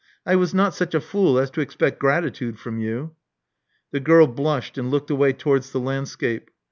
I was not such a fool as to expect gratitude from you." The girl blushed and looked away towards the landscape.